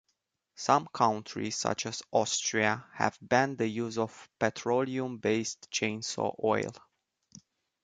Some countries, such as Austria, have banned the use of petroleum-based chainsaw oil.